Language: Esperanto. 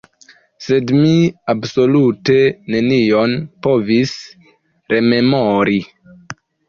Sed mi absolute nenion povis rememori.